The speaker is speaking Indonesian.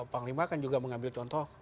panglima kan juga mengambil contoh